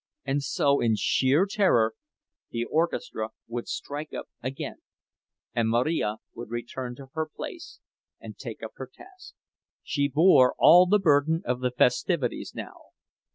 And so, in sheer terror, the orchestra would strike up again, and Marija would return to her place and take up her task. She bore all the burden of the festivities now.